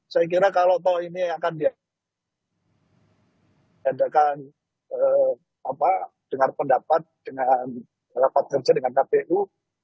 saya kira kalau ini akan diadakan dengar pendapat dengan rapat kerja dengan kpu